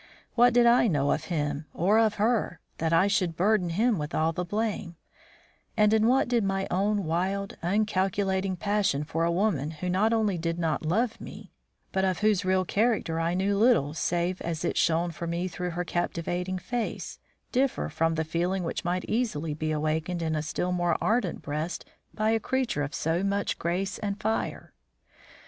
What did I know of him or of her, that I should burden him with all the blame; and in what did my own wild, uncalculating passion for a woman who not only did not love me, but of whose real character I knew little save as it shone for me through her captivating face, differ from the feeling which might easily be awakened in a still more ardent breast by a creature of so much grace and fire?